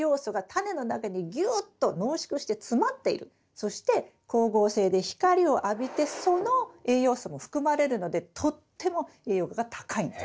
そして光合成で光を浴びてその栄養素も含まれるのでとっても栄養価が高いんです。